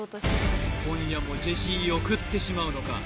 今夜もジェシーを食ってしまうのか？